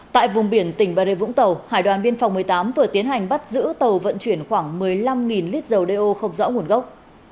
tại vùng biển tỉnh bà rê vũng tàu hải đoàn biên phòng một mươi tám vừa tiến hành bắt giữ tàu vận chuyển khoảng một mươi năm lít dầu đeo không rõ nguồn gốc